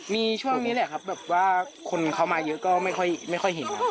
มีช่วงนี้แหละครับแบบว่าคนเขามาเยอะก็ไม่ค่อยเห็นครับ